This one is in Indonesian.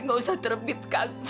gak usah terbit kang